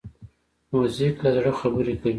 موزیک له زړه خبرې کوي.